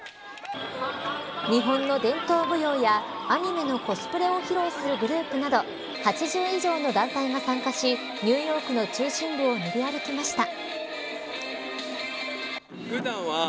日本の伝統舞踊やアニメのコスプレを披露するグループなど８０以上の団体が参加しニューヨークの中心部を練り歩きました。